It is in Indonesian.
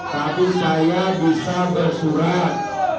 tapi saya bisa bersurat